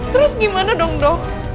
terus gimana dong dok